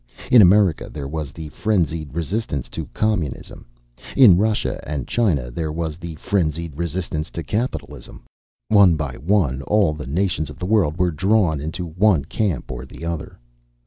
In America, there was the frenzied resistance to communism. In Russia and China, there was the frenzied resistance to capitalism. One by one, all the nations of the world were drawn into one camp or the other.